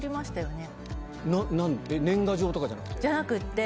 何年賀状とかじゃなくて？